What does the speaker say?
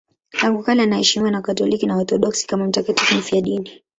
Tangu kale anaheshimiwa na Wakatoliki na Waorthodoksi kama mtakatifu mfiadini.